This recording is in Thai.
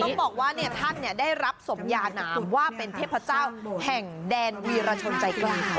ต้องบอกว่าเนี่ยท่านได้รับสมญานามว่าเป็นเทพเจ้าแห่งแดนวีรชนใจกล้าย